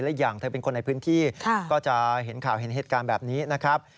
และอย่างเธอเป็นคนในพื้นที่ก็จะเห็นข่าวเห็นเหตุการณ์แบบนี้นะครับ